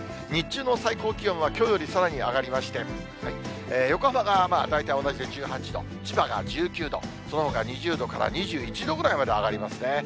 日中の最高気温はきょうよりさらに上がりまして、横浜が大体同じで１８度、千葉が１９度、そのほか２０度から２１度ぐらいまで上がりますね。